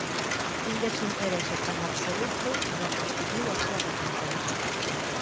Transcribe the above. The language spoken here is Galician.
Un desinterese tan absoluto non recibiu a súa recompensa.